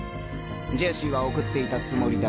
ジェシーは送っていたつもりだが。